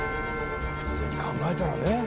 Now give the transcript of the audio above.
普通に考えたらね。